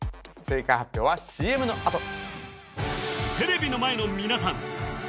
正解発表はＣＭのあとテレビの前の皆さん